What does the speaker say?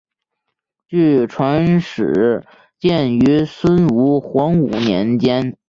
据传始建于孙吴黄武年间。